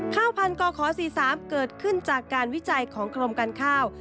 ข้าวพันกขอ๔๓เกิดขึ้นจากการวิจัยของกรมการข้าว